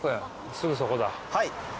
すぐそこだ。